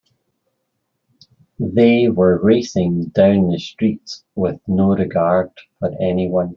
They were racing down the streets with no regard for anyone.